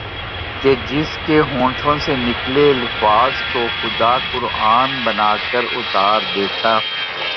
کہ جس کے ہونٹوں سے نکلے الفاظ کو خدا قرآن بنا کر اتار دیتا